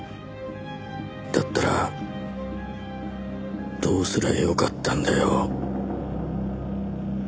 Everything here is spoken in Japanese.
だったらどうすりゃよかったんだよ。